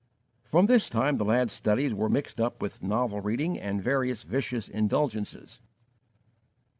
From this time the lad's studies were mixed up with novel reading and various vicious indulgences.